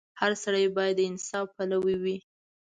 • هر سړی باید د انصاف پلوی وي.